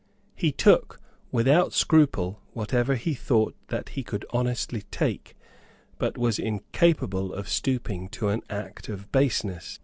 He took, without scruple, whatever he thought that he could honestly take, but was incapable of stooping to an act of baseness.